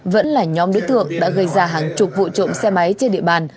vẫn là nhóm đối tượng đã gây ra hàng chục vụ trộm xe máy trên địa bàn